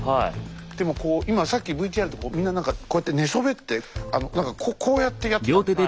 でも今さっきＶＴＲでこうみんな何かこうやって寝そべってこうやってやってたんだよ。